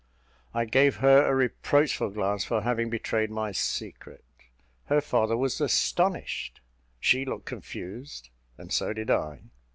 I gave her a reproachful glance for having betrayed my secret; her father was astonished she looked confused, and so did I.